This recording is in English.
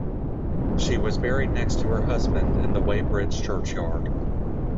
She was buried next to her husband in the Weybridge churchyard.